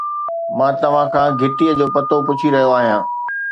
مان توهان کان گهٽي جو پتو پڇي رهيو آهيان